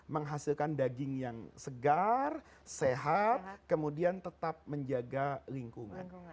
menghasilkan daging yang segar sehat kemudian tetap menjaga lingkungan